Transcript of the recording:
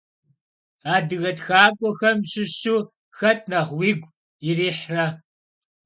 Adıge txak'uexem şışu xet nexh vuigu yirihre?